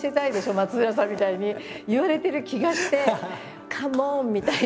松浦さん」みたいに言われてる気がして。